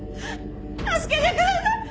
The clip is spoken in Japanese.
助けてください！